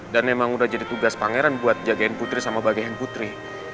dan memang udah jadi tugas pangeran buat jagain putri sama bahagiain putri